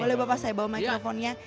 boleh bapak saya bawa microphone nya